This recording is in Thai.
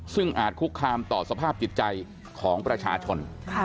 ซึ่งอาจคุกคามต่อสภาพจิตใจของประชาชน